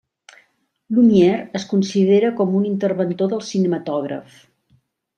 Lumière es considera com un interventor del cinematògraf.